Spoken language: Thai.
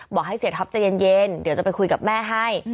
บอกให้เศรษฐฟจะเย็นเดี๋ยวจะไปคุยกับแม่ให้